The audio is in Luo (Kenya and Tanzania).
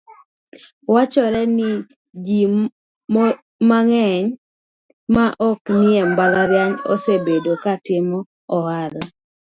Wachore ni ji mang'eny ma ok nie mbalariany, osebedo ka timo ohala